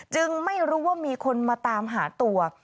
จึงไม่รู้ว่ามีคนมาตามหาตัว